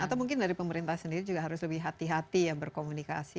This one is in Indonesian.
atau mungkin dari pemerintah sendiri juga harus lebih hati hati ya berkomunikasi